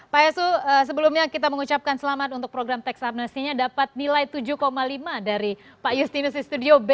pak yasu sebelumnya kita mengucapkan selamat untuk program teks amnesty nya dapat nilai tujuh lima dari pak justinus di studio b